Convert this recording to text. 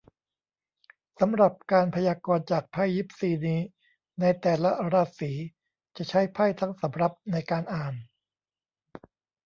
สำหรับการพยากรณ์จากไพ่ยิปซีนี้ ในแต่ละราศีจะใช้ไพ่ทั้งสำรับในการอ่าน